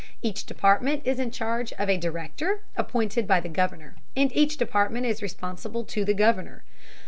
Each department is in charge of a director, appointed by the Governor, and each department is responsible to the Governor.